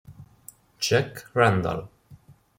Jack Randall